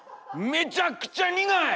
めちゃくちゃ苦い！